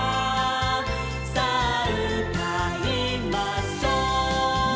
「さあうたいましょう」